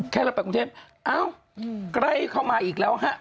แค่เราไปกรุงเทพเอ้าใกล้เข้ามาอีกแล้วฮะ